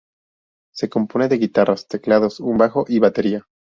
Se compone de guitarras, teclados, un bajo y batería.